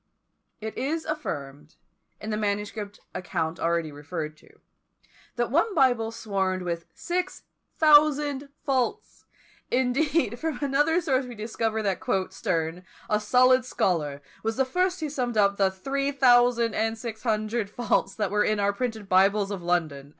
It is affirmed, in the manuscript account already referred to, that one Bible swarmed with six thousand faults! Indeed, from another source we discover that "Sterne, a solid scholar, was the first who summed up the three thousand and six hundred faults that were in our printed Bibles of London."